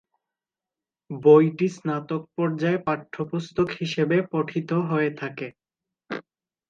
বইটি স্নাতক পর্যায়ে পাঠ্যপুস্তক হিসেবে পঠিত হয়ে থেকে।